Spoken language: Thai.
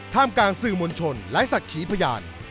ท่ามกลางสื่อมวลชนหลายสัตว์ขี่พยาน